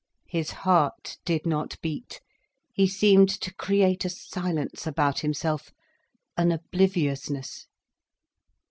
His heart did not beat, he seemed to create a silence about himself, an obliviousness.